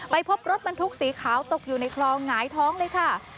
พบรถบรรทุกสีขาวตกอยู่ในคลองหงายท้องเลยค่ะ